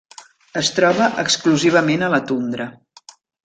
Es troba exclusivament a la tundra.